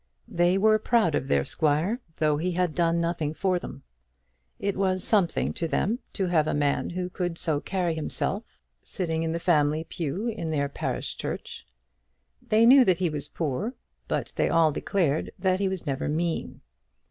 They were proud of their squire, though he had done nothing for them. It was something to them to have a man who could so carry himself sitting in the family pew in their parish church. They knew that he was poor, but they all declared that he was never mean.